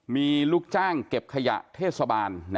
มีลูกจ้างเก็บขยะเทศบาล